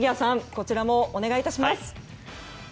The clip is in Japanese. こちらもお願いいたします。